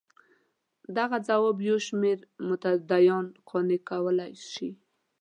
دغه ځواب یو شمېر متدینان قانع کولای شي.